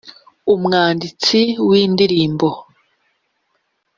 umwnditsi w’indirimbo